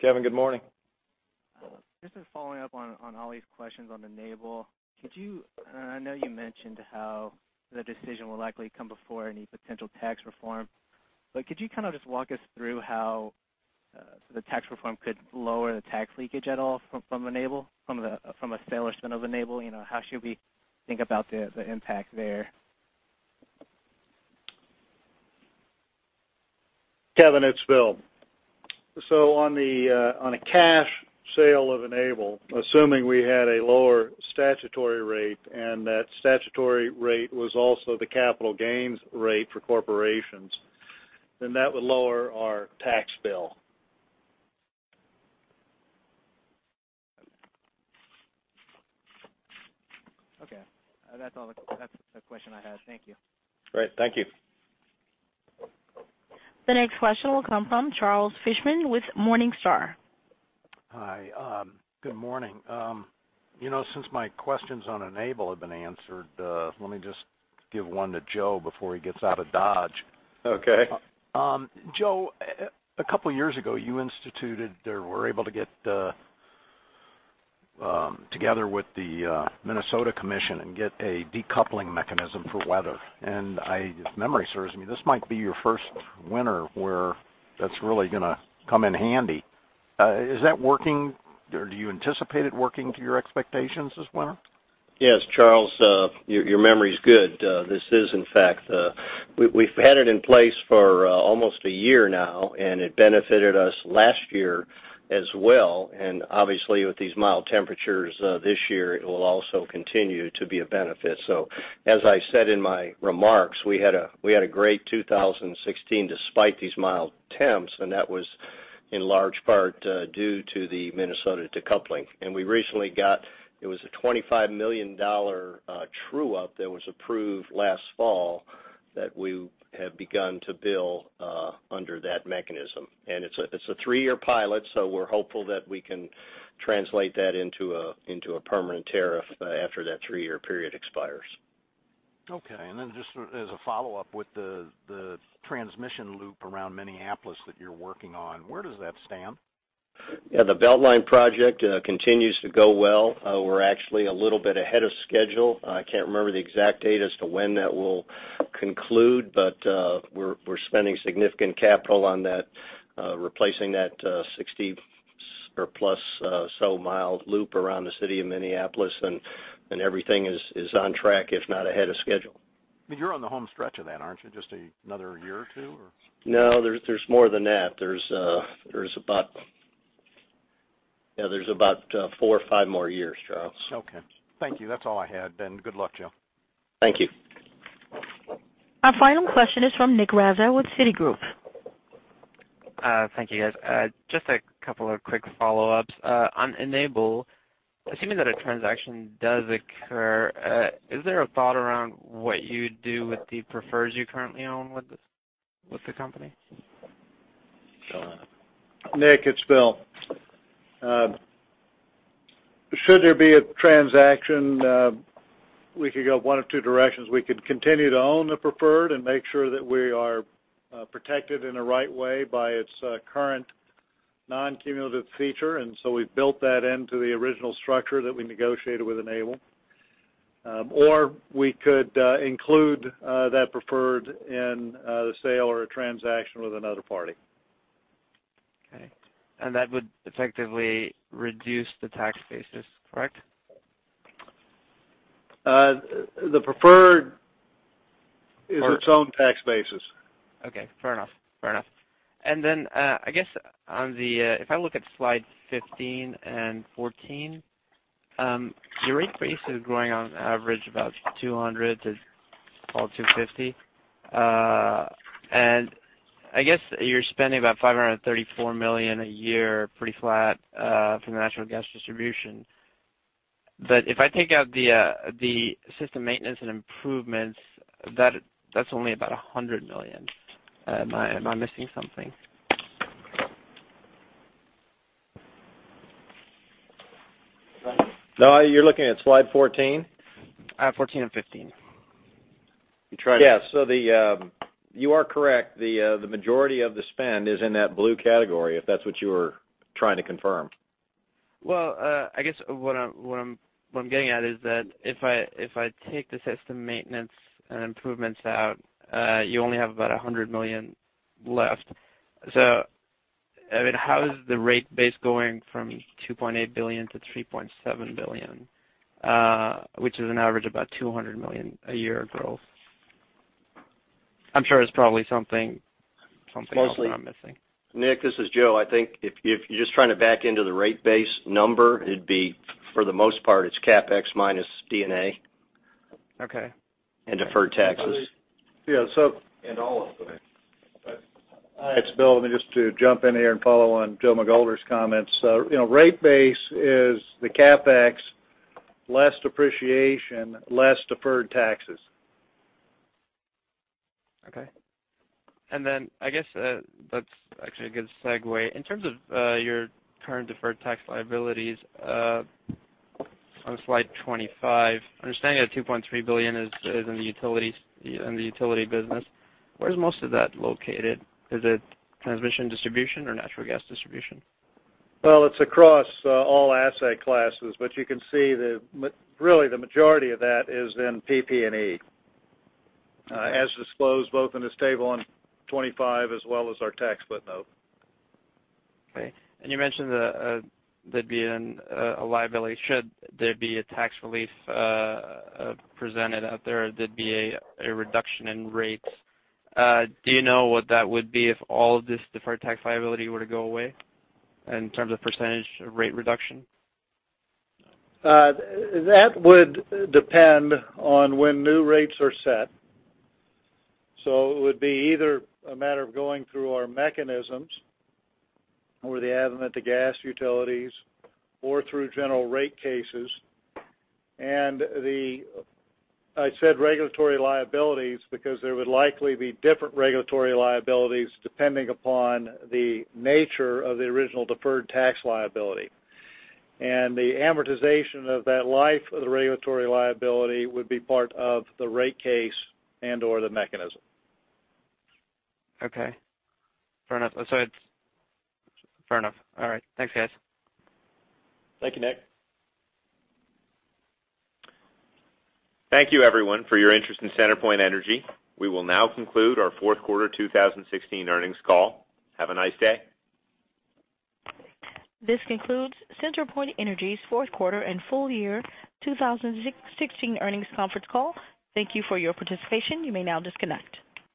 [SPEAKER 6] Kevin, good morning.
[SPEAKER 12] Just a following up on Ali's questions on Enable. I know you mentioned how the decision will likely come before any potential tax reform, could you kind of just walk us through how the tax reform could lower the tax leakage at all from Enable, from a sale or spin of Enable? How should we think about the impact there?
[SPEAKER 6] Kevin, it's Bill. On a cash sale of Enable, assuming we had a lower statutory rate and that statutory rate was also the capital gains rate for corporations, that would lower our tax bill.
[SPEAKER 12] Okay. That's the question I had. Thank you.
[SPEAKER 6] Great. Thank you.
[SPEAKER 1] The next question will come from Charles Fishman with Morningstar.
[SPEAKER 5] Hi. Good morning. Since my questions on Enable have been answered, let me just give one to Joe before he gets out of Dodge. Okay. Joe, a couple of years ago, you instituted or were able to get together with the Minnesota Commission and get a decoupling mechanism for weather. If memory serves me, this might be your first winter where that's really going to come in handy. Is that working or do you anticipate it working to your expectations this winter? Yes, Charles, your memory's good. This is in fact. We've had it in place for almost a year now, and it benefited us last year as well. Obviously, with these mild temperatures this year, it will also continue to be a benefit. As I said in my remarks, we had a great 2016 despite these mild temps, and that was in large part due to the Minnesota decoupling. We recently got, it was a $25 million true-up that was approved last fall that we have begun to bill under that mechanism. It's a three-year pilot, we're hopeful that we can translate that into a permanent tariff after that three-year period expires. Okay. Then just as a follow-up with the transmission loop around Minneapolis that you're working on, where does that stand? Yeah, the Belt Line project continues to go well. We're actually a little bit ahead of schedule. I can't remember the exact date as to when that will conclude, we're spending significant capital on replacing that 60 or plus so mile loop around the city of Minneapolis, everything is on track, if not ahead of schedule. You're on the home stretch of that, aren't you? Just another year or two? No, there's more than that. There's about four or five more years, Charles. Okay. Thank you. That's all I had, good luck, Joe. Thank you.
[SPEAKER 1] Our final question is from Neelay Raza with Citigroup.
[SPEAKER 13] Thank you, guys. Just a couple of quick follow-ups. On Enable, assuming that a transaction does occur, is there a thought around what you do with the prefers you currently own with the company?
[SPEAKER 6] Nick, it's Bill. Should there be a transaction, we could go one of two directions. We could continue to own the preferred and make sure that we are protected in the right way by its current non-cumulative feature, and so we built that into the original structure that we negotiated with Enable. We could include that preferred in the sale or a transaction with another party.
[SPEAKER 13] Okay. That would effectively reduce the tax basis, correct?
[SPEAKER 6] The preferred is its own tax basis.
[SPEAKER 13] Okay. Fair enough. Then, I guess if I look at slide 15 and 14, your rate base is growing on average about 200 to call it 250. I guess you're spending about $534 million a year, pretty flat, from the natural gas distribution. If I take out the system maintenance and improvements, that's only about $100 million. Am I missing something?
[SPEAKER 6] No, you're looking at slide 14?
[SPEAKER 13] 14 and 15.
[SPEAKER 6] Yes. You are correct. The majority of the spend is in that blue category, if that's what you were trying to confirm.
[SPEAKER 13] Well, I guess what I'm getting at is that if I take the system maintenance and improvements out, you only have about $100 million left. How is the rate base going from $2.8 billion to $3.7 billion? Which is an average about $200 million a year growth. I'm sure there's probably something else that I'm missing.
[SPEAKER 6] Nick, this is Joe. I think if you're just trying to back into the rate base number, it'd be for the most part, it's CapEx minus D&A.
[SPEAKER 13] Okay.
[SPEAKER 6] And deferred taxes. Yeah, And all of it. It's Bill. Let me just jump in here and follow on Joe McGoldrick's comments. Rate base is the CapEx, less depreciation, less deferred taxes.
[SPEAKER 13] Okay. I guess that's actually a good segue. In terms of your current deferred tax liabilities- On slide 25, understanding that $2.3 billion is in the utility business, where is most of that located? Is it transmission distribution or natural gas distribution?
[SPEAKER 6] Well, it's across all asset classes, but you can see that really the majority of that is in PP&E, as disclosed both in this table on 25 as well as our tax footnote.
[SPEAKER 13] Okay. You mentioned there'd be a liability should there be a tax relief presented out there'd be a reduction in rates. Do you know what that would be if all this deferred tax liability were to go away in terms of percentage of rate reduction?
[SPEAKER 6] That would depend on when new rates are set. It would be either a matter of going through our mechanisms or the advent to gas utilities or through general rate cases. I said regulatory liabilities because there would likely be different regulatory liabilities depending upon the nature of the original deferred tax liability. The amortization of that life of the regulatory liability would be part of the rate case and/or the mechanism.
[SPEAKER 13] Okay. Fair enough. All right. Thanks, guys.
[SPEAKER 6] Thank you, Nick.
[SPEAKER 2] Thank you everyone for your interest in CenterPoint Energy. We will now conclude our fourth quarter 2016 earnings call. Have a nice day.
[SPEAKER 1] This concludes CenterPoint Energy's fourth quarter and full year 2016 earnings conference call. Thank you for your participation. You may now disconnect.